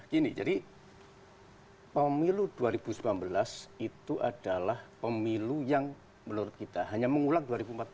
gini jadi pemilu dua ribu sembilan belas itu adalah pemilu yang menurut kita hanya mengulang dua ribu empat belas